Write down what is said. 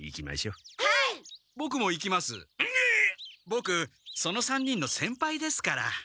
ボクその３人の先輩ですから。